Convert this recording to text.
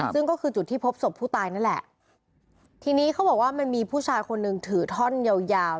ซึ่งก็คือจุดที่พบศพผู้ตายนั่นแหละทีนี้เขาบอกว่ามันมีผู้ชายคนหนึ่งถือท่อนยาวยาว